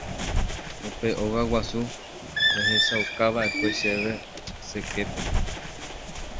Upe óga guasu rehechaukava'ekue chéve che képe.